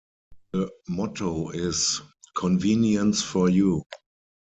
The motto is "Convenience for you".